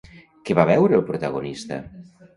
Què va veure el protagonista?